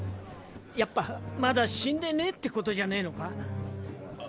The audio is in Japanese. やっぱまだ死んでねぇってことじゃねぇのか？